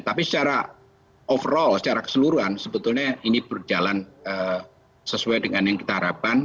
tapi secara overall secara keseluruhan sebetulnya ini berjalan sesuai dengan yang kita harapkan